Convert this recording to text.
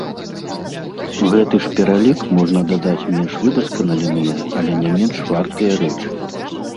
У гэты ж пералік можна дадаць менш выдасканаленыя, але не менш вартыя рэчы.